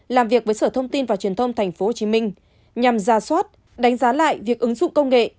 làm việc với sở thông tin và truyền thông tp hcm nhằm ra soát đánh giá lại việc ứng dụng công nghệ